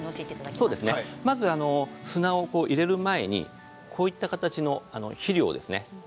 まず、砂を入れる前にこういった形の肥料ですね。